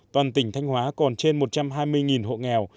toàn tỉnh thanh hóa còn trên một trăm hai mươi hộ nghèo